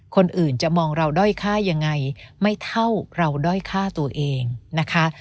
คนอื่นจะมองเราด้อยค่ายังไงไม่เท่าเราด้อยฆ่าตัวเองนะคะ